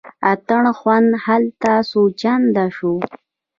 اتڼ خوند هلته څو چنده شو.